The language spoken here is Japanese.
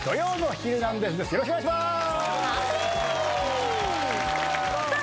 よろしくお願いします。